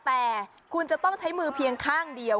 แต่คุณจะต้องใช้มือเพียงข้างเดียว